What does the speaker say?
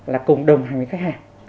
là cùng đồng hành với khách hàng